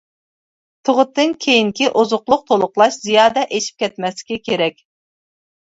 تۇغۇتتىن كېيىنكى ئوزۇقلۇق تولۇقلاش زىيادە ئېشىپ كەتمەسلىكى كېرەك.